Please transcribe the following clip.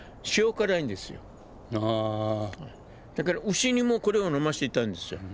牛にもこれを飲ませていたんですよ。